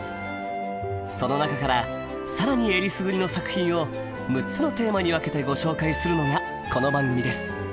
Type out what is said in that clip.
その中から更にえりすぐりの作品を６つのテーマに分けてご紹介するのがこの番組です。